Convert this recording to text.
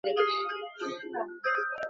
তিনি সচরাচর Herbert Simon নামে অভিহিত।